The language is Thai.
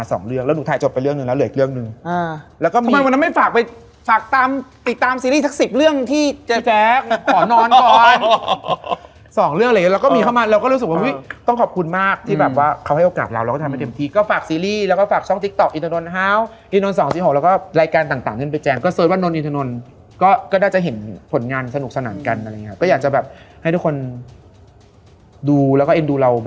เสร็จปุ๊บเพื่อนทุกคนก็ช็อกไปแปบนึง